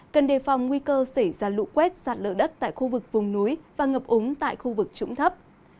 cần đề phòng nguy cơ xảy ra lụ quét sạt lỡ đất tại khu vực vùng núi và ngập ống tại khu vực trũng thấp